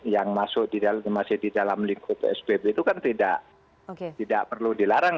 yang masuk masih di dalam lingkup psbb itu kan tidak perlu dilarang